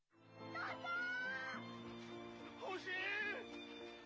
父ちゃん。